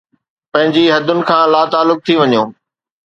پنهنجي حدن کان لاتعلق ٿي وڃي ٿو